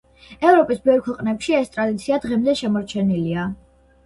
ევროპის ბევრ ქვეყნებში ეს ტრადიცია დღემდე შემორჩენილია.